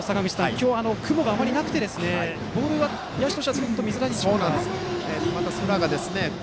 今日、雲があまりなくてボールが、野手としてはちょっと見づらいでしょうか。